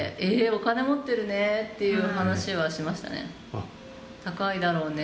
お金持ってるねっていう話はしましたね。